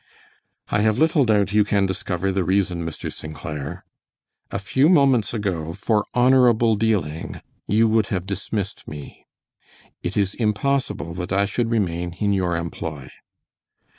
"I have little doubt you can discover the reason, Mr. St. Clair. A few moments ago, for honorable dealing, you would have dismissed me. It is impossible that I should remain in your employ."